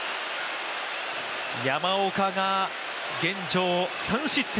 山岡が、現状３失点。